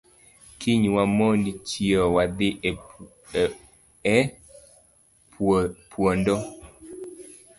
Kiny wamond chieo wadhii e puondo